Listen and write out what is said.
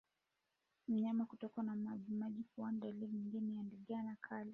Mnyama kutokwa na majimaji puani ni dalili nyingine ya ndigana kali